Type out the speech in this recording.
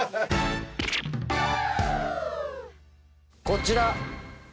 こちら。